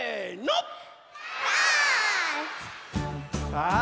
さあ